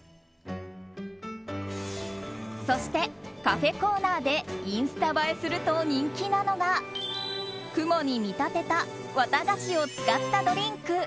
そして、カフェコーナーでインスタ映えすると人気なのが雲に見立てた綿菓子を使ったドリンク。